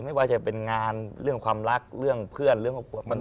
ไม่ว่าจะเป็นงานเรื่องความรักเรื่องเพื่อน